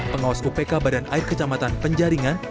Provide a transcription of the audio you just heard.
pengawas upk badan air kecamatan penjaringan